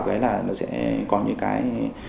thế là nó sẽ có những cái